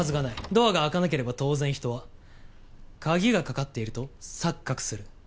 ドアが開かなければ当然人は鍵がかかっていると錯覚する。